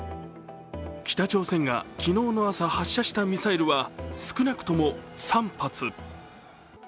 北朝鮮が昨日の朝、発射したミサイルは、少なくとも３発。